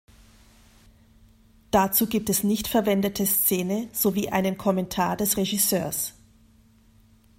Dazu gibt es nicht verwendete Szene sowie einen Kommentar des Regisseurs.